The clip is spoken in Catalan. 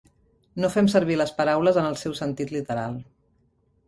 No fem servir les paraules en el seu sentit literal.